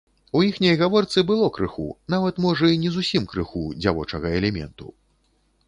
У іхняй гаворцы было крыху, нават можа і не зусім крыху, дзявочага элементу.